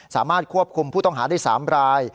สามารถควบคุมผู้ต้องหาได้๓ราย